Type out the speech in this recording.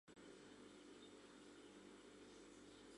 Плагий ден Эчан Анам коктын кок могырым кучат.